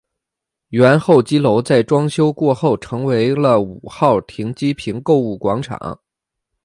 原候机楼在装修过后成为了五号停机坪购物广场。